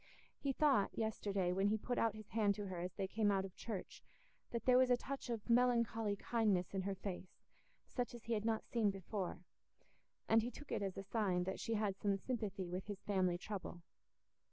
He thought, yesterday when he put out his hand to her as they came out of church, that there was a touch of melancholy kindness in her face, such as he had not seen before, and he took it as a sign that she had some sympathy with his family trouble.